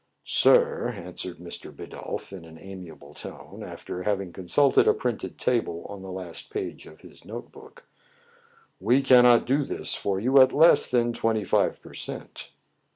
"Sir," answered Mr. Bidulph in an amiable tone, after having consulted a printed table on the last page of his note book, " we cannot do this for you at less than twenty five per cent."